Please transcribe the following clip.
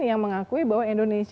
yang mengakui bahwa indonesia